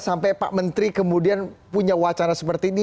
sampai pak menteri kemudian punya wacana seperti ini